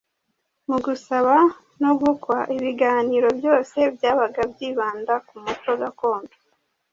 Mu gusaba no gukwa, ibiganiro byose byabaga byibanda ku muco gakondo